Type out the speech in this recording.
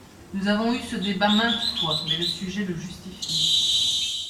Nous avons eu ce débat maintes fois, mais le sujet le justifie.